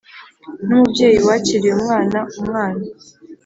n umubyeyi wakiriye umwana umwana